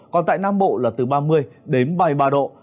còn tại nam bộ là từ ba mươi bảy mươi ba độ